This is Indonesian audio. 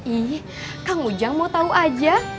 ih kang ujang mau tau aja